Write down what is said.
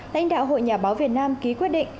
lãnh đạo hội nhà báo việt nam ký quyết định